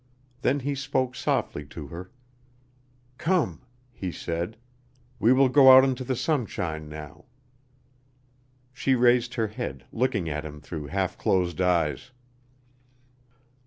Then he spoke softly to her: "Come," he said, "we will go out into the sunshine now." She raised her head, looking at him through half closed eyes.